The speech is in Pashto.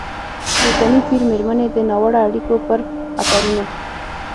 د اوسني پېر مېرمنې د ناوړه اړیکو پر خطرونو